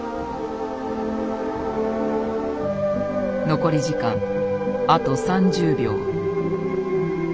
残り時間あと３０秒。